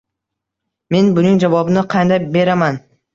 Men buning javobini qanday beraman